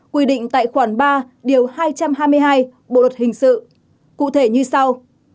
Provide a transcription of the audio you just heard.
quy định tại khoản ba điều hai trăm hai mươi hai bộ luật hình sự cụ thể như sau